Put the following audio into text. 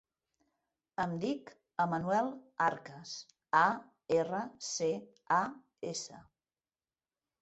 Em dic Emanuel Arcas: a, erra, ce, a, essa.